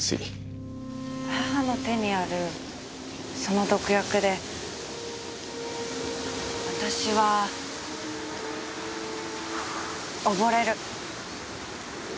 母の手にあるその毒薬で私は溺れる。